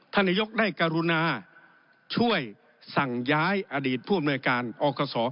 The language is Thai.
นายกได้กรุณาช่วยสั่งย้ายอดีตผู้อำนวยการอกศ